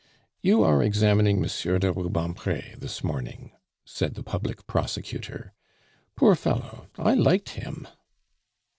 "You are examining Monsieur de Rubempre this morning," said the Public Prosecutor. "Poor fellow I liked him."